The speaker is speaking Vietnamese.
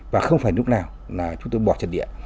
và không phải lúc nào là chúng tôi bỏ trận địa